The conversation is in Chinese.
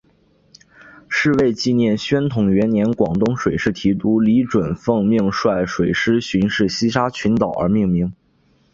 是为纪念宣统元年广东水师提督李准奉命率水师巡视西沙群岛而命名。